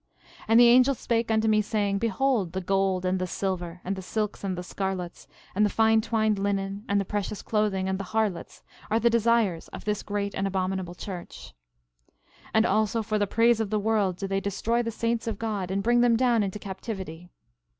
13:8 And the angel spake unto me, saying: Behold the gold, and the silver, and the silks, and the scarlets, and the fine twined linen, and the precious clothing, and the harlots, are the desires of this great and abominable church. 13:9 And also for the praise of the world do they destroy the saints of God, and bring them down into captivity.